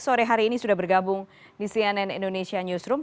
sore hari ini sudah bergabung di cnn indonesia newsroom